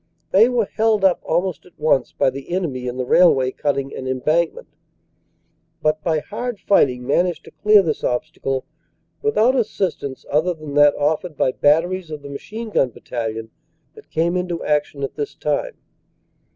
They were held up almost at once by the enemy in the railway cutting and embankment, but by hard fighting managed to clear this OPERATIONS: SEPT. 27 CONTINUED 233 obstacle without assistance other than that offered by batteries of the machine gun battalion that came into action at this time.